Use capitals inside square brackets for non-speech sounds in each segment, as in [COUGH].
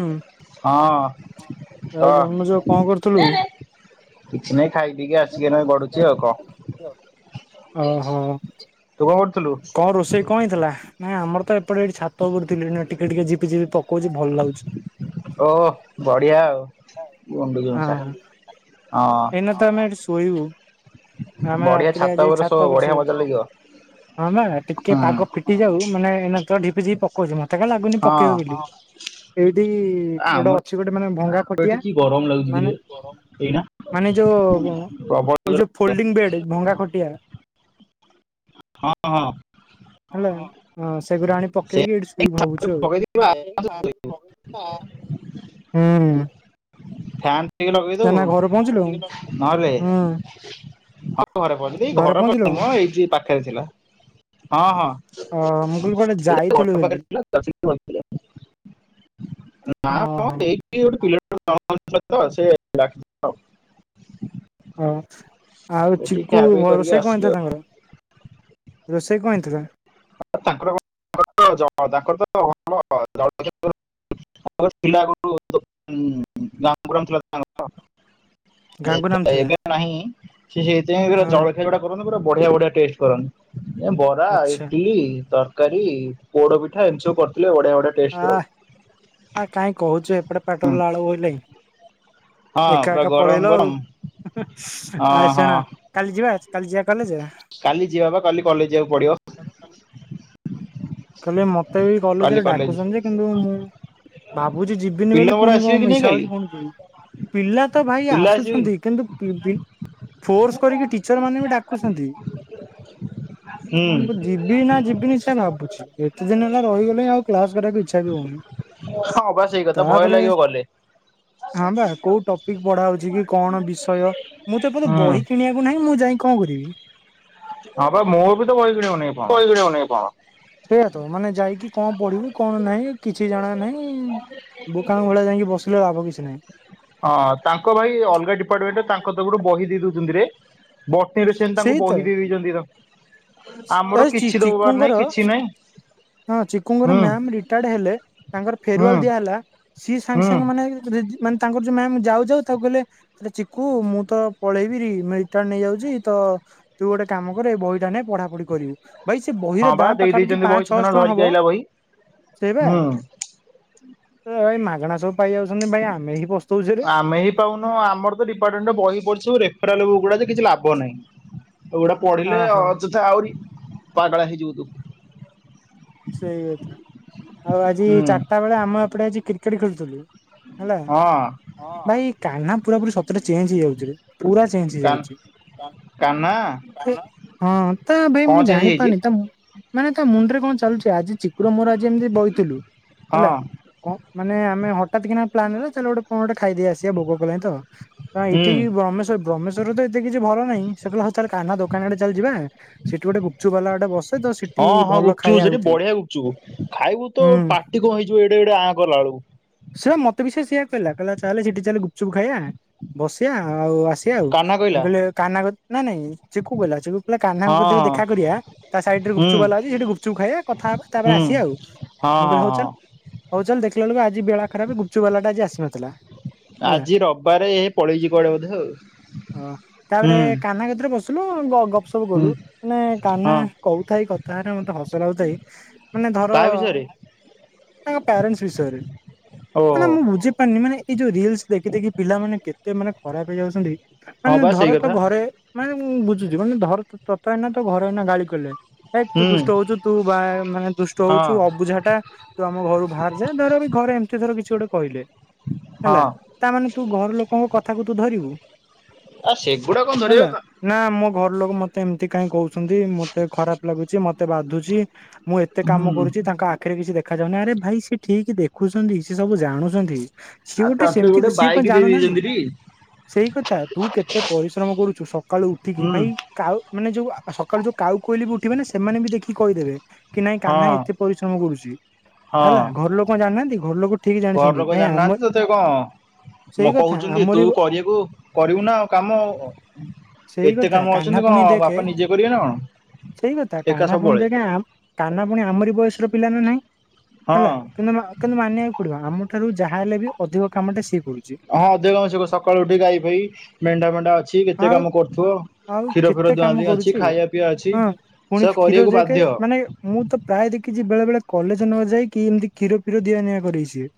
ହୁଁ ହଁ ଆଉ କ ଜନ୍ମଜୟ କିଛି କଣ କରୁଥିଲୁ? ନାହିଁ ଖାଇ ପିକି ଆସିକି ଏଇନା ଗଡୁଛି ଆଉ କଣ ଓହୋ ତୁ କଣ କରୁଥିଲୁ କଣ ରୋଷେଇ କଣ ହେଇଥିଲା ନାଇଁ ଆମର ତ ଏପଟେ ଏଠ ଛାତ ଉପରେ ଥିଲି ଏଇନେ ଟିକେ ଟିକେ ଝିପି ଝିପି ପକ ଓ ବଢ଼ିଆ ଆଉ ଗୁଣ୍ଡୁଛି ମୂଷା ହଁ ଦିନ ତ ଆମେ ଏଠି ଶୋଇବୁ ଆମେ ବଢିଆ ରାତିରେ ଆଜି ଶୋ ଛାତ ଉପରେ ବଢିଆ ମଜା ଶୋଇବୁ ଲାଗିବ ହଁ ବା ଟିକେ ହୁଁ ପାଗ ଫିଟି ଯାଉ ମାନେ ଏଇନେ ଝିପି ଝି ପଉଛି ମତେ କାଇଁ ଲାଗୁନି ହଁ। ପକେଇବ ବୋଲି ଏଇଠି ଗୋଟେ ଆମର ଅଛି ଗୋଟେ ମାନେ ଭଙ୍ଗା ଏଠି ଖଟିଆ କି ଗରମ ଲାଗୁଛି କିରେ ମାନେ ଏଇନା ମାନେ ଯୋଉ ପ୍ରବଳ ଏଇ ଜୋରେ ଯୋଉ ଫୋଲଡିଙ୍ଗ ବେଡ ଭଙ୍ଗା ଖଟିଆ ହଁ ହଁ ହେଲା ସେଗୁରା ଆଣି ସେ ପକେଇକି ଏଇଠି ଶୋଇବୁ ଭାବୁଛୁ ଆଉ ପକେଇଦବୁ ଏ [UNINTELLIGIBLE] ହୁଁ ଫ୍ୟାନ୍ ଟିକେ ନା ଲଗେଇଦବୁ ନା ଘରେ ପହଞ୍ଚିଲୁ? ନହେଲେ ହୁଁ। ହଁ ଘରେ ପହ ଏଇ ଘରେ ଘର ପହଞ୍ଚିଲୁ ପାଖ ମ ଏଇ ଯ ପାଖରେ ଥିଲା ହଁ ହଁ ଅ ମୁଁ କହିଲି କୁଆଡେ ଯାଇଥିଲୁ ବୋଲି। ଥିଲା [UNINTELLIGIBLE] ନା କଣ ଓହୋ। ଏଠି ଗୋଟେ ପିଲା [UNINTELLIGIBLE] ତ ସେ ହଁ ଆଉ ଏଠି ଖିଆ ଚିକୁ ପିଇ କରିକି ରୋଷେଇ କଣ ଆସିଲେ ହେଇଥିଲା ଆଉ ତାଙ୍କର ରୋଷେଇ କଣ ହେଇଥିଲା ତାଙ୍କର ତାଙ୍କର [UNINTELLIGIBLE] ଆ ଥିଲ [UNINTELLIGIBLE] ଏ ଗାଙ୍ଗୁ ନାମ ତ ଥିଲା। ଏବେ ନାହିଁ ସେ ସେଇଥିପାଇଁ ହଁ ଜଳଖିଆ ଗୁଡା ନ୍ତ ପୁରା ବଢିଆ ବଢିଆ ଟେଷ୍ଟ କରନ୍ତି ଏ ବରା ଆଚ୍ଛା ଇଟିଲି ତରକାରୀ ପୋଡ ପିଠା ଏମିତି ସବୁ କରିଥିଲେ ଵଡ଼ିଆ ବଡ଼ିଆ ହ କାହିଁ କହୁଛୁ ଏପଟେ ପାଟିରୁ ଲାଳ ବହିଲାଣି ହଁ ଏକା ପୁରା ଏକା ଗରମ ପଳେଇଲ ଗରମ ଆଉ ଆ ହଁ ହଁ ସେଣା କାଲି ଯିବା କାଲି ଯିବା କଲେଜ କାଲି ଯିବା ବା କାଲି କଲେଜ୍ ଯିବାକୁ ପଡିବ [UNINTELLIGIBLE] କାଲି ମତେ ବି କାଲି କଲେଜରେ କଲେଜ ଡାକୁଛନ୍ତି ଯେ କିନ୍ତୁ ମୁଁ ଭାବୁଛି ଯିବିନି ପିଲା ବୋଲି ମୋର ପୁଣି ଆସିବେ କଣ କି ନାଇଁ ମିଶା କାଲି ହଉଛି ପୁଣି ଯିବି। ପିଲା ତ ଭାଇ ପିଲା ଆସିବେ ଆସୁଛନ୍ତି କିନ୍ତୁ ଫୋର୍ସ କରିକି ଟିଚର ମାନେ ବି ଡାକୁଛନ୍ତି। କି ମୁଁ ଜି ଯି ନା ଯିବିନି ସେୟା ଭାବୁଛି ଏତେ ଦିନି ହେଲା ହୁଁ ରହିଗଲିଣି ଆଉ କ୍ଲାସ୍ କରିବାକୁ ଆଉ ଇଚ୍ଛା ବି ହଉନି। ହଁ ବା ସେଇ କଥା ଭୟ ତାପରେ ଲାଗିବ ଗଲେ। ହଁ ବା କୋଉ ଟପିକ୍ ପଢା ହଉଛି କି କଣ ବିଷୟ ମୁଁ ତ ଏ ପର୍ଯ୍ୟନ୍ତ ହୁଁ ବହି କିଣିବାକୁ ନାହିଁ ମୁଁ ଯାଇ କଣ କରିବି? ହଁ ବା ମୋର ବି ତ ବହି [UNINTELLIGIBLE] [UNINTELLIGIBLE] ସେଇୟା ତ ମାନେ ଯାଇକି କଣ ପଢିବୁ କଣ ନାହିଁ କିଛି ଜଣା ନାହିଁ ବୋକାଙ୍କ ଭଳିଆ ଯାଇକି ବସିଲେ ଲାଭ କିଛି ନାହିଁ। ହଁ ତାଙ୍କ ଭାଇ ଅଲଗା ଡିପାର୍ଟମେଣ୍ଟ ତାଙ୍କ ତରଫରୁୁ ବହି ଦେଇ ଦଉଛନ୍ତି ରେ। ବଟି ରେ ସେମାନେ ତାଙ୍କୁ ସେଇ ତ ବହି ଦେଇ ଦେଇଛନ୍ତି ତ ଏ ଆମର ଚି କିଛି ଦବବାର ନାହିଁ ଚିକୁଙ୍କର କିଛି ନହିଁ। ହଁ ଚକୁଙ୍ଗର ମ୍ୟାମ୍ ରିଟାୟାର୍ଡ ହେଲେ ତାଙ୍କର ହୁଁ ଫେରୱାଲ ଦିଆହ ହେଲା ସିଏ ସାଙ୍ଗେ ହୁଁ ସାଙ୍ଗେ ମାନେ ରେ ମାନେ ତାଙ୍କର ଯୋଉ ମ୍ୟାମ୍ ଯାଉ ଯାଉ ତାକୁ କଲେ ଆରେ ଚିକୁ ମୁଁ ତ ପଳେଇବିରି ରିଟାର୍ଣ ନେଇଯାଉଛି ତ ତୁ ଗୋଟେ କାମ କରେ ଏଇ ବହିଟା ନେ ପଢା ପଢି କରିବୁ ଭାଇ ସେ ବହି ର ହଁ ବା ଦାଁ ଦେଇ ପାଖାପାଖି ଦେଇଛନ୍ତି ବହି ପାଞ୍ଚ ସେଦିନ ଛଅଶହ କଣ ଧରିକି ହବ ଆଇଲା ବହି। ସେଇ ବା ହୁଁ। ଏ ଭାଇ ମାଗଣା ସବୁ ପାଇ ଯାଉଛନ୍ତି ଭାଇ ଆମେ ହିଁ ପୁ ଆମେ ହିଁ ପାଉନୁଁ ଆମର ତ ଡିପାର୍ଟମେଣ୍ଟ ବହି ପଢିବୁ ରେଫେରାଲ ଗୁଡା କିଛି ଲାଭ ନାହିଁ। ଆଉ ଗୁଟା ହଁ ପଢିଲେ ହଁ ଅଯଥା ଆହୁରି ପାଗଳା ହେଇଯିବ ତୁ। ସେଇ କଥା, ଆଉ ଆଜି ହୁଁ ଚାରିଟା ବେଳେ ଆମ ଏପଟେ ଆଜି କ୍ରିକେଟ୍ ଖେଳୁଥିଲୁ। ହେଲା। ହଁ। ଭାଇ କାହ୍ନା ପୁରା ପୁରି ସତରେ ଚେଞ୍ଜ ହେଇଯାଉଛି ପୁରା ଚେଞ୍ଜ ହେଇଯାଉଛି। କନ୍ହା। ହଁ ତା ଭାଇ ମୁଁ ହେଇଛି? ଜାଣିପାରୁନି ତ ମାନେ ତା ମୁଣ୍ଡରେ କଣ ଚାଲୁଛି ଆଜି ଚକୁର ମୋର ଆଜି ଏମିତି ବହିଥିଲୁ ହେଲା ହଁ କଣ ମାନେ ଆମେ ହଠାତ୍ କିନା ପ୍ଲାନ କଲୁ ଚାଲେ ଗୋଟେ କଣ ଗୋଟେ ଖାଇଦେଇ ଆସିବା ଭୋକ କଲାଣି ତ। ନାଁ ହୁଁ [UNINTELLIGIBLE] ବ୍ରହମେଶ୍ୱର ତ ଏତେ କିଛି ଭଲ ନାହିଁ ସେ ହଉ କାନ ଦୋକାନ ଆଡେ ଚାଲେ ଯିବା ସେଠି ଗୋଟେ ଗୁପ୍ ଚୁପ୍ ବାଲା ଗୋଟେ ବ ତେ ତ ସେଠି ହଁ ହଁ ଭଲ ଗୁପଚୁପ୍ ଖାଇବା ସେଠି ହଉ ବଢିଆ ଗୁପ୍ ଚୁପ୍ ଖାଇବୁ ତ ପାଟି କଣ ହେଇ ଜୀବ ଏଡେ ଏଡେ ଆଁ କଲାଳୁ। ସେ ବା ମତେ ବି ସେ ସେଇଆ କହିଲା କହିଲା ଚାଲେ ସେଠି ଚାଲେ ଗୁପ୍ ଚୁପ୍ ଖାଇବା ବସିବାଆ ଆଉ ଆସିବା ସେ ଆଉ କାହ୍ନା ମୁଁ କହିଲା କହିଲି କନ୍ହା ନା ନାଇଁ ଚିକୁ କହିଲା ଚିକୁ କିହିଲା କନ୍ହା ହଁ କତିରେ ଦେଖା ହଁ କରିବା। ତା ସାଇଡ୍ ରେ ଗୁପ୍ ହୁଁ ଚୁପ୍ ବାଲା ଅଛି ସେଠି ଗୁପ୍ ଚୁପ୍ ଖାଇବା କଥା ହବା ତାପରେ ହୁଁ ଆସିବା ଆଉ। ହଁ ମୁଁ ହଁ କହିଲି ହୋଉ ହଁ ଚାଲ୍। ହଉ ଚାଲ୍ ଦେଖିଲା ବେଳୁ ଆଜି ବେଳା ଖରାପ ଗୁପ୍ ଚୁପ୍ ବାଲାଟା ଆଜି ଆସିନଥିଲା। ହେଲା। ଆଜି ରବିବାରେ ହେଇ ପଳେଇଛି କୁଆଡେ ବୋଧେ ଆଉ। ହୁଁ। କାନା କତିରେ ବସିଲୁ ଗପ ସପ୍ ହୁଁ କଲୁ ମାନେ କାହ୍ନା ହଁ କହୁଥାଏ କଥା ରା ମତେ ହସ ଲାଗୁ ଥାଏ। ମାନେ ଧର ତା ବିଷୟରେ ତାଙ୍କ ପ୍ୟାରେଣ୍ଟ ବିଷୟରେ ଓହୋ ମାନେ ମୁ ବୁଝି ପାରୁନି ମାନେ ଏଇ ଯୋଉ ରିଲ୍ସ୍ ଦେଖି ଦେଖି ପିଲାମାନେ କେତ ମାନେ ଖରାପ ହେଇଯାଉଛନ୍ତି। ହଁ ମାନେ ବା ସେଇ ଧର ତ କଥା ଘରେ ମାନେ ମୁଁ ବୁଝୁଛିି ମାନେ ଧର ତୋତେ ଏଇନା ତ ଘରେ ଏଇନା ଗାଳି କଲେ ଏ ତୁ ହୁଁ ଦୁଷ୍ଟ ହଉଛୁ ତୁ ବା ମାନେ ଦୁଷ୍ଟ ହଁ ହଉଛୁ ପୂଝା ଟା ତୁ ଆମ ଘରୁ ବାହାର ଯା ଧର ଘରେ ଏମିତି ର କିଛି ଗୋଟେ କହିଲେ ହେଲା ହଁ ତାମାନୋନେ ତୁ ଘର ଲୋକଙ୍କ କଥାକୁ ତୁ ଧରିବୁ? ଆ ସେଗୁଡା କଣ ହେଲା ଧରିବା କଥା ନା ମୋ ଘର ଲୋକ ମତେ ଏମିତି କାହିଁ କହୁଛନ୍ତି ମତେ ଖରାପ ଲାଗୁଛି ମତେ ବାଧୁଛି ମୁଁ ଏତେ କାମ ହୁଁ କରୁଛି ତାଙ୍କ ଆ ଖୀରେ କିଛି ଦେଖାଯାଉନି ଆରେ ଭାଇ ସିଏ ଠିକ ଦେଖୁଛନ୍ତି ସିଏ ସବୁ ଜାଣୁଛନ୍ତି ସିଏ ଆଉ ଗୋଟେ ତତେ ସେମିତି ସିଏ କଣ ବାଇକ୍ ଦେଇ ଜାଣୁନାହାନ୍ତି ଦେଇଛନ୍ତି ଟି ସେଇ କଥା ତୁ କେତେ ପରିଶ୍ରମ କରୁଛୁ ସକାଳୁ ଉଠିକି ହୁଁ ଭାଇ କାଉ ମାନେ ଯୋଉ ସକାଳୁ ଯୋଉ କାଉ କୋଇଲି ବି ଉଠିବେନା ସେମାନେ ବି ଦେଖି କହିଦେବେ କି ନାଇଁ କାହ୍ନା ହଁ ଏତେ ପରିଶ୍ରମ କରୁଛି ହଁ ହେଲା ଘର ଲୋକ କଣ ଜାଣିନାହାନ୍ତି ଘର ଲୋକ ଠିକ ଘର ଜାଣିଛନ୍ତି ଲୋକ ଭାଇ ଆମ ଜାଣିନାହାନ୍ତି ତତେ କଣ ସେଇ ମୋ କଥା କହୁଛନ୍ତି ଆମରି ତୁ କରିବୁ କରିବୁନା କାମ ସେଇ ଏତେ କଥା କାମ କାହ୍ନା ଅଛନ୍ତି କଣ ପୁଣି ଦେଖେ ବାପା ନିଜେ କରିବେ ନା କଣ ସେଇ କଥା ଏକା କାହ୍ନା ପୁଣି ସବୁବେଳେ ଦେଖିଆ କାହ୍ନା ପୁଣି ଆମରି ବୟସର ପିଲା ନା ନାହିଁ ହଁ ହେଲା କିନ୍ତୁ କିନ୍ତୁ ମାନିବାକୁ ପଡିବ ଆମ ଠାରୁ ଯାହା ହେଲେ ବି ଅଧିକ କାମଟା ସିଏ କରୁଛି ହଁ ଅଧିକ କାମ ସେ ସକାଳୁ ଉଠିକି ଗାଇ ଫାଇ ମେଣ୍ଢା ଫେଣ୍ଡା ଅଛି କେତେ ଆଉ କାମ କରୁଥିବ ଆଉ କ୍ଷୀର କେତେ ଫୀର ଦୁହାଁ କାମ ଦୁହିଁ ଅଛି କରୁଛି ଖାଇବା ପିଇବା ଅଛି ହଁ ପୁଣି ସେ କ୍ଷୀର କରିବାକୁ ଯାଇକେ ବାଧ୍ୟ ମାନେ ମୁଁ ତ ପ୍ରାୟ ଦେଖିଛି ବେଳେ ବେଳେ କଲେଜ ନ ଯାଇକି ଏମିତି କ୍ଷୀର ଫୀର ଦିଆ ନିିଆ କରେ ସିଏ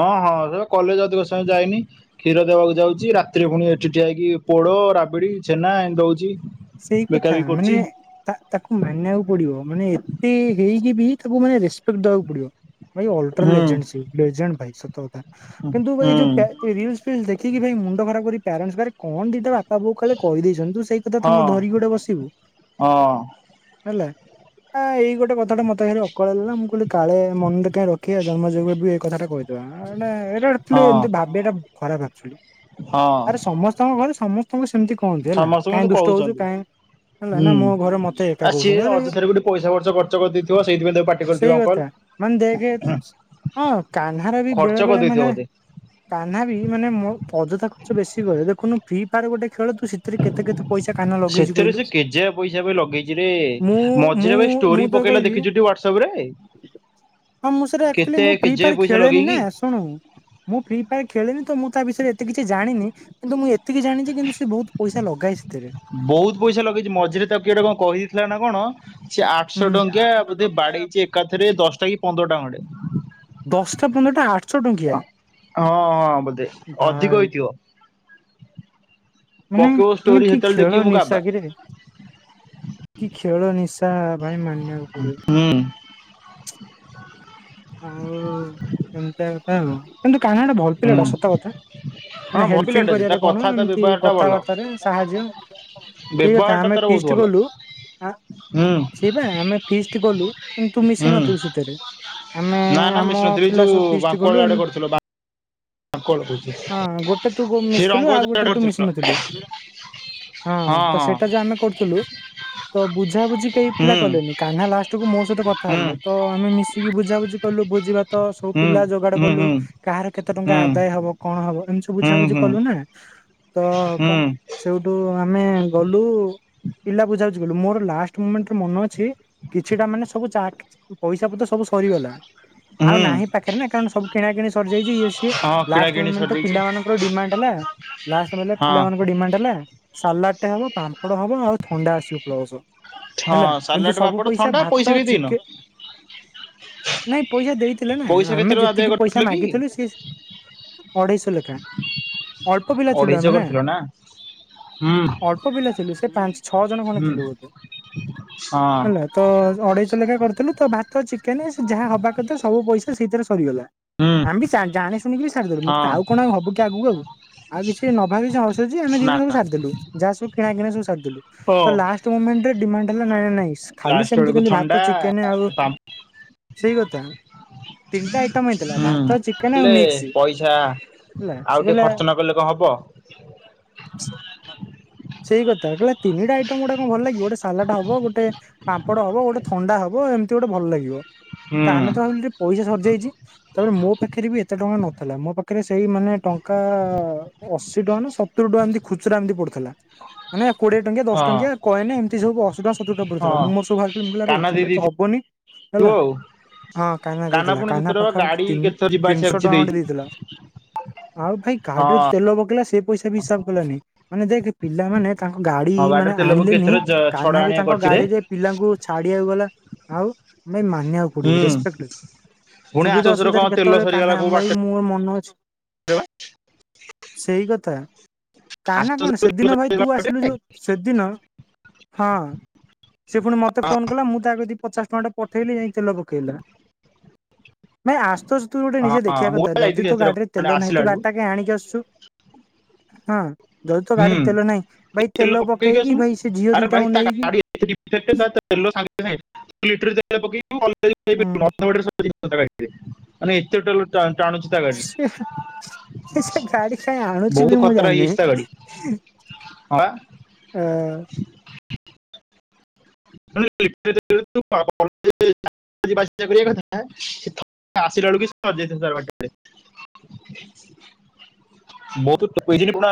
ହଁ ହଁ ସେ ତ କଲେଜ ଅଧିକ ସମୟ ଯାଏନି କ୍ଷୀର ଦେବାକୁ ଯାଉଛି ରାତିରେ ପୁଣି ଏଠି ଠିଆ ହେଇକି ପୋଡ ରାବିଡି ଛେନା ଏମିତି ଦଉଛି ସେଇ ବିକା କଥା ବିକି କରୁଛି ମାନେ ତା ତାକୁ ମାନିବାକୁ ପଡିବ ମାନେ ଏତେ ହେଇକି ବି ତାକୁ ମାନେ ରେସପେକ୍ଟ ଦବାକୁ ପଡିବ ଭାଇ ଅଲଟ୍ରା ହୁଁ ଲେଜେଣ୍ଟ ସିଏ ଲେଜେଣ୍ଟ ଭାଇ ସତକଥା କିନ୍ତୁ ହୁଁ ଭାଇ ଯୋଉ ପ୍ୟା ଏ ରିଲ୍ସ ଫିଲ୍ସ ଦେଖିକି ଭାଇ ମୁଣ୍ଡ ଖରାପ କରି ପ୍ୟାରେଣ୍ଟସ ପାଖରେ କଣ ଦିଟା ବାପା ବୋଉ କାଳେ କହିଦେଇଛନ୍ତି ତୁ ସେଇ କଥା ହଁ ତାଙ୍କୁ ଧରିକି ଗୋଟେ ବସିବୁ ହଁ ହେଲା ଆ ଏଇ ଗୋଟେ କଥାଟା ମତେ ଭାରି ଅକଳିଆ ଲାଗିଲା ମୁଁ କହିଲି କାଳେ ମନରେ କାଇଁ ରଖିବା ଜନ୍ମ ଯୁ ବି ଏଇ କଥାଟା କହିଛି କଣ ଗୋଟେ ଏଇଟା ଗୋଟେ ଥିଲେ ହଁ ଏମିତି ଭାବିବା ଟା ଖରାପ ଆକ୍ଟୁଆଲୀ ହଁ ଆରେ ସମ ତମ ଘରେ ସମସ୍ତଙ୍କୁ ସେମିତି କୁହନ୍ତି ହେଲା ସମସ୍ତଙ୍କୁ କାଇଁ ଏମିତି ଦୁଷ୍ଟ ହଉଛୁ କହୁଛନ୍ତି କାଇଁ ହେଲା ହୁଁ ନା ମୋ ଘରେ ମତେ ଏକା ଆ ସିଏ କହୁଛନ୍ତି ଆରେ ଅଯଥାରେ ଗୋଟେ ପଇସା ଖର୍ଚ୍ଚ ଖର୍ଚ କରିଦେଇଥିବ ସେଇଥିପାଇଁ ତାକୁ ପାଟି କରିଥିବେ ସେଇ କଥା ଅଙ୍କଲ ମାନେ ଦେଖେ ହଁ କାହ୍ନାର ବି ଖର୍ଚ୍ଚ ବେଳେ ବେଳେ କରିଦେଇଥିବ ମାନେ ବୋଧେ। କାହ୍ନା ବି ମାନେ ମୋ ଅଜଥା ଖର୍ଚ୍ଚ ବେଶୀ କରେ ଦେଖୁନୁ ଫ୍ରି ଫାୟାର ଗୋଟେ ଖେଳ ତୁ ସେଥିରେ କେତେ କେତେ ପଇସା କାହ୍ନା ଲଗେଇଛି ସେଥିରେ କହିଲୁ ସେ କେତେ ଜାଗା ପଇସା ବେ ଲଗେଇଚି ରେ ମୁଁ ମୁଁ ମଝିରେ ଭାଇ ମୁଁ ଷ୍ଟୋରି ତ ପକେଇଲା କହିବି ଦେଖିଚୁଟି ହ୍ବାଟ ସପ୍ ରେ ହଁ ମୁଁ ସେରା ଆକ୍ଚୁଆଲି କେତେ ମୁଁ ଫ୍ରୀ କେଜିଏ ଫାୟାର ପଇସା ଖେଳେନି ନା ଲଗେଇକି ଶୁଣୁ ମୁଁ ଫ୍ରି ଫାୟାର ଖେଳେନି ତ ମୁଁ ତା ବିଷୟରେ ଏତେ କିଛି ଜାଣିନି କିନ୍ତୁ ମୁଁ ଏତିକି ଜାଣିଛି କିନ୍ତୁ ସେ ବହୁତ ପଇସା ଲ ଥିବେ ବହୁତ ପଇସା ଲଗେଇଛି ମଝିରେ ତାକୁ କିଏ ଗୋଟେ କଣ କହିଦେଇଥିଲା ନା କଣ ସେ ଆଠଶହ ହୁଁ। ଟଙ୍କିଆ ବୋଧେ ବାଡେଇଛି ଏକାଥରେ ଦଶଟା କି ପନ୍ଦର ଟା ଖଣ୍ଡେ ଦଶଟା ପନ୍ଦରଟା ଆଠ ହ ହଁ ହଁ ବୋଧେ ଭାଇ ଅଧିକ ହେଇଥିବ ମାନେ ପକେଇବ ମାନେ ଷ୍ଟୋରି କି ସେତେବେଳେ ଖେଳ ଦେଖିକି ମୁଁ କାବା। ନିିଶ କିରେ କି ଖେଳ ନିଶା ଭାଇ ମାନିବାକୁ ପଡିବ ହୁଁ ଆଉ ଏମିତିଆ କଥା ଆଉ କିନ୍ତୁ କାହ୍ନା ଟା ଭଲ ହୁଁ ପିଲାଟା ସତ କଥା ହଁ ମାନେ ଭଲ ହେଲ୍ପିଙ୍ଗ ପିଲାଟା ଯେ ତା କରିବାରେ କଣ କଥା ତା ଏମିତି ବ୍ୟବହାର ଟା ଭଲ। କଥାବାର୍ତ୍ତାରେ ସାହାଯ୍ୟ ସେଇ କଥା ବ୍ୟବହାରଟା ଆମେ ତାର ବହୁତ ଫିଷ୍ଟ ଭଲ। କଲୁ ଆ ହୁଁ ସେଇବା ଆମେ ଫିଷ୍ଟ କଲୁ କିନ୍ତୁ ମିଶି ହୁଁ ନଥିଲୁ ସେଥିରେ ଆମେ ନା ନା ଆମ ମିଶିନଥିଲି ପିଲା ସବୁ ଯୋଉ ଫିଷ୍ଟି ବାଙ୍କଳ ଗଲୁ ଆଡେ ଏମତି କରିଥିଲ ବାଙ୍କଳ କହୁଛି। ହଁ ଗୋଟେ ତୁ ଗୋ ସେ ମିଶିଥିଲୁ ରଙ୍ଗବଜା ଆଉ ଆଡେ ଗୋଟାରେ ତୁ ମିଶି କରିଥିଲ ନଥିଲୁ। ହଁ ତ ସେଇଟା ଯ ଆମେ କରୁଥିଲୁ। ତ ବୁଝା ବୁଝି କେହି ପିଲା ହଁ କଲେନି। କାହ୍ନା ଲାଷ୍ଟ କୁ ମୋ ସହିତ କଥା ହୁଁ ହେଲେ ତ ଆମେ ମିଶି ଟିକେ ବୁଝାବୁଝି କଲୁ ବୁଝିବା ତ ସବୁ ହୁଁ ହୁଁ ପିଲା ଯୋଗାଡ ହୁଁ କଲୁ। ହୁଁ କାହାର କେତେ ଟଙ୍କା ହୁଁ ଆଦାୟ ହବ। କଣ ହବ ଏମିତି ସବୁ ବୁଝାବୁଝି ହୁଁ କଲୁ ନା। ତ କ ହୁଁ ସେଇଠୁ ଆମେ ଗଲୁ। ପିଲା ବୁଝା ବୁଝା ଯଉ ଗଲୁ ମୋର ଲାଷ୍ଟ ମୋମେଣ୍ଟେ ମନ ଅଛି। କିଛିଟା ମାନେ ସବୁ ଚାଖ୍। ପଇସା ପତ୍ର ସବୁ ସରିଗଲା। ହୁଁ ଆଉ ହୁଁ ନାହିଁ ପାଖରେ ନା କାରଣ ସବୁ କିଣା କିଣି ସରିଯାଇଛି ଇଏ ସିଏ। ହଁ କିଣା ଲାଷ୍ଟ କିିଣି ମୁମେଣ୍ଟ ରେ ସରିଯାଇଛି ପିଲାମାନଙ୍କର ଡିମାଣ୍ଡ ହେଲା। ଲାଷ୍ଟ ବୋଲେ ହଁ ପିଲାମାନଙ୍କ ଡିମାଣ୍ଡ ହେଲା। ସାଲାଟେ ଟେ ହବ, ପାମ୍ପଡ ହବ, ଆଉ ଥଣ୍ଡା ଆସିବ ପ୍ଲସ। ହେଲା। ହଁ ସାଲାଡ କିନ୍ତୁ ସବୁ ପାମ୍ପଡ଼ ପଇସା ଥଣ୍ଡା ଭାତ କେଇ ଦେଇନ? ଚିକେନେ ନାଇଁ ପଇସା ଦେଇଥିଲେ ନା ପଇସା କେତେ ଆମେ ଟଙ୍କା ଆଦାୟ ଯେତିକି ପଇସା କରିଥିଲ କି? ମାଗିଥିଲୁ ସିଏ ସେ ଅଢେଇଶ ଲେଖାଁ। ଅଳ୍ପ ପିଲା ଥିଲୁ ଆମେ ନାଁ। ଆଁ। ଅଳ୍ପ ପିଲା ଥିଲୁ ସେ ପାଞ୍ଚ ଛଅ ଜଣ ଖଣେ ହୁଁ ହଁ ଥିଲୁ ବୋଧେ। ହ୍ୟାଲୋ। ହୁଁ ତ ଅଢେଇଶ ଲେଖା କରିଥିଲୁ ତ ଭାତ ଚିକେନେ ଯାହା ହବା କଥା ସବୁ ପଇସା ସେଇଥିରେ ସରିଗଲା। ଆମ୍ବୀ ଜା ଜାଣି ଶୁଣିକି ସାରିଦେଲୁ ମୁଁ କି ହଁ କଣ ହବକି ଆଗକୁ ଆଉଁ। ଆଉ କିଛି ନଭାବି ନ ସୁଝି ଆମେ ନା ଦିଜଣ ସବୁ ସାରିଦଲୁ। ଯାହାସବୁ କିଣା କିଣା ସବୁ ସାରିଦେଲୁ ଓ ତ ଲାଷ୍ଟ ତୋ ମୋମେଣ୍ଟେ ରେ ଡିମାଣ୍ଡ ହେଲା ନାଁ ନାଇଁ। ଖାଲି ସେମିତି କେନ୍ତି ଭାତ ଚିକେନେ ଆଉ ଆମ୍ ସେଇ କଥା। ତିନିଟା ଆଇଟମ୍ ହେଇଥିଲା ହୁଁ ଭାତ, ଚିକେନେ, ଆଉ ହେଲେ ମିକ୍ସି। ପଇସା ଆଉ ଟିକେ ଖର୍ଚ୍ଚ ନକଲେ କ ହବ। ସେଇ କଥା କଲା ତିନିଟା ଆଇଟମ୍ ଗୋଟେ କ ଭଲ ଲାଗିବ ଗୋଟେ ସାଲାଟ ହବ ଗୋଟେ ପାମ୍ପଡ଼ ହବ ଗୋଟେ ଥଣ୍ଡା ହବ ଏମିତି ଗୋଟେ ଭଲ ଲାଗିବ। ହୁଁ ତା ଆମେ ତ ଭାବିଲୁ ଟେ ପଇସା ସରିଯାଇଛି। ତା ବେଳେ ମୋ ପାଖରେ ବି ଏତେ ଟଙ୍କା ନଥିଲା ମୋ ପାଖରେ ସେଇ ମାନେ ଟଙ୍କା ଆ ଅଶୀ ଟଙ୍କା ନା ସତୁରି ଟଙ୍କା ଏମିତି ଖୁଚୁରା ଏମିତି ପଡୁଥିଲା। ମାନେ କୋଡିଏ ଟଙ୍କିଆ ଦଶ ହଁ ଟଙ୍କିଆ କଏନେ ଏମିତି ସବୁ ଅଶୁ ଦଶ ସତୁରୀ ଟଙ୍କା ହଁ ପଡିଥିଲା ମୁଁ ମୋର ସବୁ ବାହାରକିରି ମୁଁ କହିଲି କାହ୍ନା ଦେଇ ଏତିିକିରେ ତ ଦେଇଥିବୁ ହବନି ହେଲା। ଆଉ ହଁ କାହ୍ନା ଦେଇଥିଲା ପୁଣି କାହ୍ନା ସେଥର ବା ପାଖାପାଖି ଗାଡି ତିନି କେତେଥର ଯିବା ଆସିବା ତିନିଶହ କରିଛି ଟଙ୍କା ଦେଇଛି ଖଣ୍ଡେଦେଇଥିଲା। ଆଉ ଭାଇ କାଡରେ ହଁ ତେଲ ପକେଇଲା ସେ ପଇସା ବି ହିସାବ କଲାନି। ମାନେ ଦେଖେ ପିଲାମାନେ ତାଙ୍କ ଗାଡି ହଁ ମାନେ ଗାଡିରେ ତେଲ ପକେଇ ଆଣିଲେନି ଏଥର ଛଡା କାହ୍ନା ବି ଆଣିବା ତାଙ୍କ କରିଛି ରେ ଗାଡିରେ ପିଲାଙ୍କୁ ଛାଡିବାକୁ ଗଲା। ଆଉ ଭାଇ ମାନିବାକୁ ହୁଁ ପଡିବ ରେସେପେକ୍ଟଡେସେ ପୁଣି ସୁବିଧା ଆସୋସରେ କଣ ଅସୁବିଧାରେ ତେଲ କେତେବେଳେ ସରିଗଲା କାହ୍ନା କୋଉ ଆମ ଭାଇ ବାଟରେ ମୁଁ ମୋ ମନ ଅଛି। [UNINTELLIGIBLE] ସେଇ କଥା। କାହ୍ନା କଣ ଆସୋସରେ ତେଲ ସେଦିନ ଭାଇ ସରିଗଲା ତୁ ଆସିଲୁ ବାଟରେ ଯୋଉ। ସେଦିନ ହଁ। ସେ ପୁଣି ମତେ ଫୋନ କଲା ମୁଁ ତା କତିକି ପଚାଶ ଟଙ୍କା ଟେ ପଠେଇଲି ଯାଇ ତେଲ ପକେଇଲା। ପ ନାଇଁ ଆସ୍ତୁ ଆସ୍ତୁ ତୁ ଗୋଟେ ନିଜେ ହଁ ଦେଖିବା ମୁଁ କଥା ବା ଯଦି ଯାଇଥିଲି ତୋ ଏଥର ଗାଡିରେ ତେଲ ନାହିଁ ଆସିଲା ତୁ ବେଳକୁ ଗାଡିଟା କାଇଁ ଆଣିକି ଆସୁଛୁ। ହଁ। ଯଦି ତ ହୁଁ ଗାଡିରେ ତେଲ ନାହିଁ। ଭାଇ ତେଲ ପକେଇକି ଭାଇ ସେ ଝିଅ ଦିଟାଙ୍କୁ ନେଇକି [UNINTELLIGIBLE] ସକାଳେ ହୁଁ ଆଇଥିଲେ। ମାନେ ଏତେ ତେଲ ଟା ଟାଣୁଚି। ସେ ହଁ। ସେ ଗାଡି କାଇଁ ଆଣୁଛଚି ବହୁତ ବି ମୁଁ ଖତରା ହେଇଯାଇଛି ତା ଗାଡି ଜାଣିନି। ହଁ ପା ହଁ। [UNINTELLIGIBLE] [UNINTELLIGIBLE] [UNINTELLIGIBLE] [UNINTELLIGIBLE]